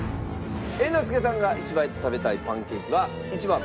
猿之助さんが一番食べたいパンケーキは１番。